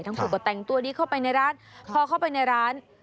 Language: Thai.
ผู้ก็แต่งตัวดีเข้าไปในร้านพอเข้าไปในร้าน